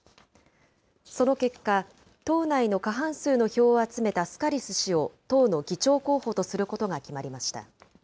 その結果、党内の過半数の票を集めたスカリス氏を党の議長候補とすることが決まりました。